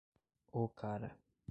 Ocara